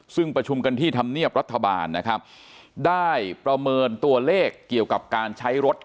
ซึ่งประชุมกันที่ธรรมเนียบรัฐบาลนะครับได้ประเมินตัวเลขเกี่ยวกับการใช้รถ